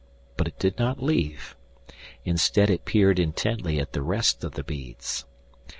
But it did not leave. Instead it peered intently at the rest of the beads.